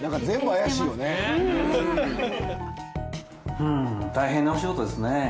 うん大変なお仕事ですね。